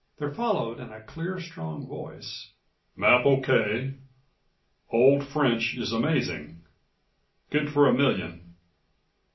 There followed in a clear, strong voice: "Map O.K. Old French is amazing. Good for a million."